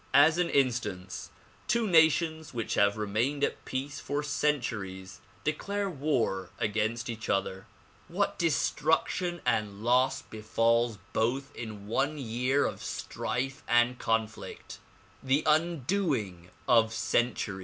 As an instance, two nations which have remained at peace for centuries declare war against each other. What destruction and loss befalls both in one year of strife and conflict; the undoing of centuries.